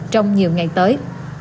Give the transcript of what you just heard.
trong nhiều ngày tới